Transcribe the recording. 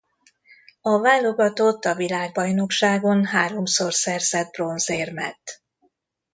A válogatott a világbajnokságon háromszor szerzett bronzérmet.